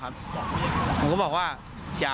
เหตุการณ์เกิดขึ้นแถวคลองแปดลำลูกกา